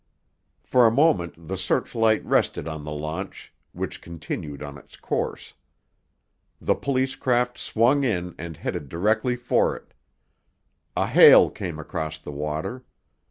For a moment the searchlight rested on the launch, which continued on its course. The police craft swung in and headed directly for it. A hail came across the water.